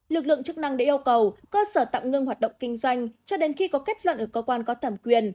lực lượng chức năng đã yêu cầu cơ sở tạm ngưng hoạt động kinh doanh cho đến khi có kết luận ở cơ quan có thẩm quyền